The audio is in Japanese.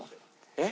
えっ？